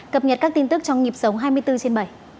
cập nhật các tin tức trong nhịp sống hai mươi bốn trên bảy